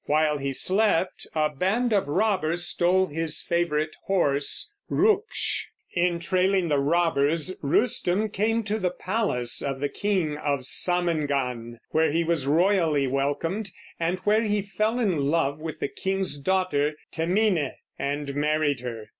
While he slept a band of robbers stole his favorite horse, Ruksh. In trailing the robbers Rustum came to the palace of the king of Samengan, where he was royally welcomed, and where he fell in love with the king's daughter, Temineh, and married her.